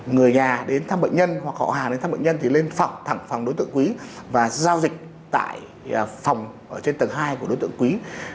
người nhà đến thăm bệnh nhân hoặc họ hàng đến thăm bệnh nhân thì lên phòng thẳng phòng đối tượng quý và giao dịch tại phòng ở trên tầng hai của đối tượng quý